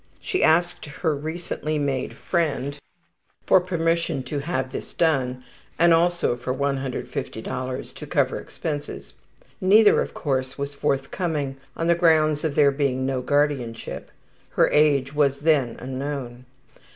She asked her recently made friend for permission to have this done, and also for $150 to cover expenses. Neither, of course, was forthcoming, on the grounds of there being no guardianship. (Her age was then unknown.)